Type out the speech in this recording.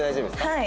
はい。